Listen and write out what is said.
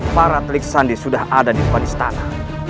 para telik sandi sudah ada di padistana